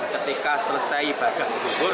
ketika selesai bagian berdumur